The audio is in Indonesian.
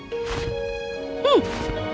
lebih seperti angin poof sekarang